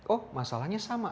oh masalahnya sama